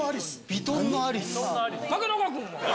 ヴィトンのアリス。